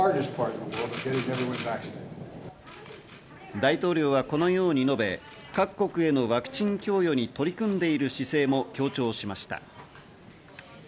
大統領はこのように述べ、各国へのワクチン供与に取り組んでいる姿勢も強調しました。